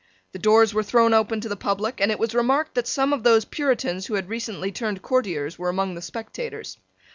The doors were thrown open to the public; and it was remarked that some of those Puritans who had recently turned courtiers were among the spectators.